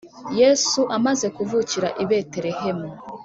Yesu amaze kuvukira i Betelehemu